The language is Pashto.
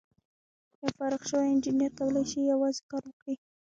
یو فارغ شوی انجینر کولای شي یوازې کار وکړي.